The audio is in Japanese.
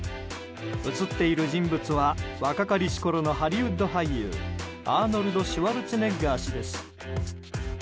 写っている人物は若かりしころのハリウッド俳優、アーノルド・シュワルツェネッガー氏です。